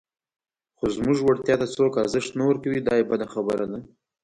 خو زموږ وړتیا ته څوک ارزښت نه ورکوي، دا یې بده خبره ده.